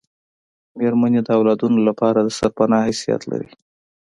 میرمنې د اولادونو لپاره دسرپنا حیثیت لري